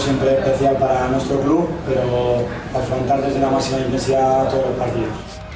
jadi ini adalah pertandingan yang selalu khusus untuk kelub kita tapi kita harus berhadapan dengan intensitas yang maksimal seluruh pertandingan